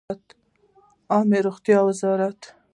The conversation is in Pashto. عامې روغتیا وزارت